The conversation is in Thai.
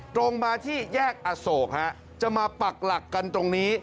ตรงมาที่แยกอโศกจะมาปักหลักกันตรงนี้